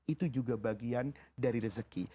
itu juga bagian dari rezeki